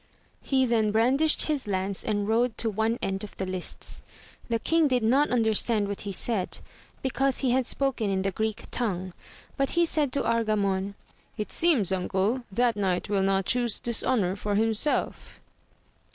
He then brandished his lance and rode to one end of the lists. The king did not understand what he said, because he had spoken in the Greek tongue, but he said to Argamon, It seems uncle that knight will not chuse dishonour for himself.